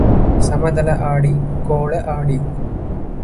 சமதள ஆடி, கோள ஆடி.